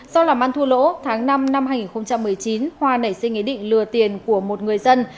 do làm ăn thua lỗ tháng năm năm hai nghìn một mươi chín hoa nảy sinh ý định lừa tiền của một người dân